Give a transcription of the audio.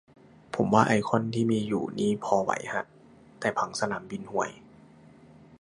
ผมว่าไอคอนที่มีอยู่นี่พอไหวฮะ แต่ผังสนามบินห่วย